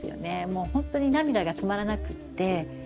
もうほんとに涙が止まらなくって。